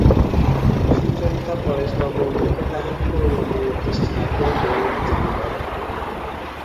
সুচরিতা পরেশবাবুর মুখে তাহার করুণাপূর্ণ দৃষ্টি রাখিয়া কহিল, জানি বাবা!